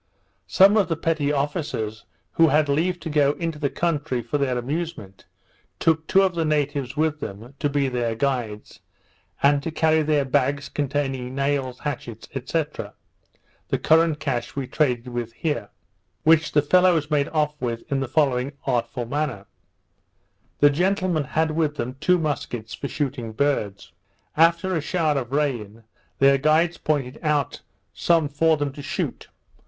Some of the petty officers, who had leave to go into the country for their amusement, took two of the natives with them to be their guides, and to carry their bags, containing nails, hatchets, &c. the current cash we traded with here; which the fellows made off with in the following artful manner: The gentlemen had with them two muskets for shooting birds. After a shower of rain, their guides pointed out some for them to shoot.